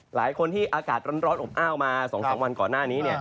หลายคนที่อากาศร้อนอบอ้าวมา๒๓วันก่อนหน้านี้